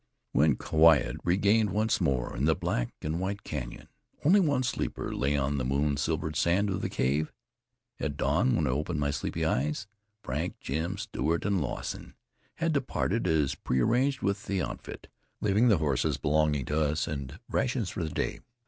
When quiet reigned once more in the black and white canyon, only one sleeper lay on the moon silvered sand of the cave. At dawn, when I opened sleepy eyes, Frank, Slim, Stewart and Lawson had departed, as pre arranged, with the outfit, leaving the horses belonging to us and rations for the day.